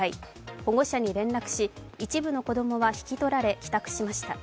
保護者に連絡し、一部の子供は引き取られ、帰宅しました。